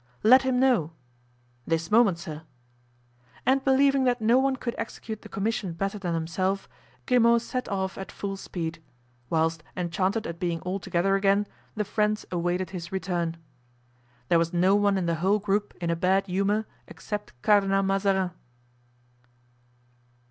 "Let him know." "This moment, sir." And believing that no one could execute the commission better than himself, Grimaud set off at full speed; whilst, enchanted at being all together again, the friends awaited his return. There was no one in the whole group in a bad humor except Cardinal Mazarin.